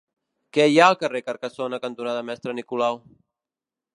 Què hi ha al carrer Carcassona cantonada Mestre Nicolau?